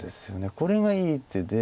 これがいい手で。